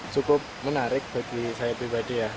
cukup menarik bagi saya pribadi ya